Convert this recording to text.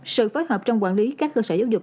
sự phối hợp trong quản lý các cơ sở giáo dục